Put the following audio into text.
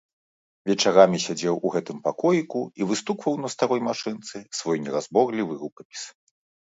Вечарамі сядзеў у гэтым пакоіку і выстукваў на старой машынцы свой неразборлівы рукапіс.